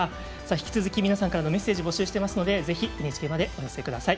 引き続き皆さんからのメッセージ募集していますのでぜひＮＨＫまでお寄せください。